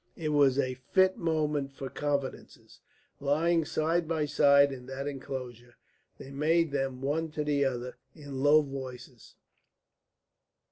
It was a fit moment for confidences. Lying side by side in that enclosure, they made them one to the other in low voices.